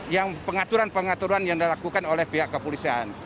yang pengaturan pengaturan yang dilakukan oleh pihak kepolisian